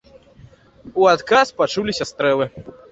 У адказ пачуліся стрэлы.